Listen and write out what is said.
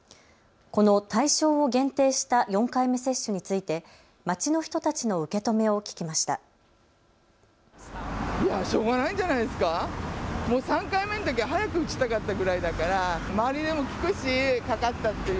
この対象を限定した４回目接種について街の人たちの受け止めを聞きました。